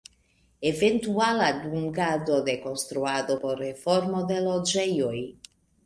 Eventuala dungado en konstruado por reformo de loĝejoj.